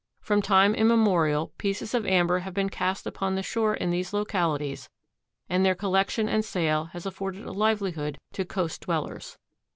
From time immemorial pieces of amber have been cast upon the shore in these localities and their collection and sale has afforded a livelihood to coast dwellers.